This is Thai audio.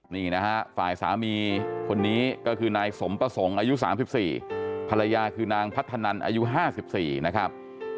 นี่นะฮะฝ่ายสามีคนนี้ก็คือนายสมประสงค์อายุ๓๔ภรรยาคือนางพัฒนันอายุ๕๔นะครับ